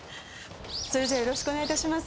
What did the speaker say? それじゃよろしくお願いいたします。